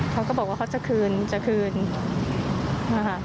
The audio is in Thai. เขาก็บอกว่าเขาจะคืน